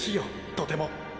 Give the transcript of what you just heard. とても。